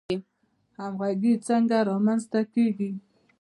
همغږي څنګه رامنځته کیږي؟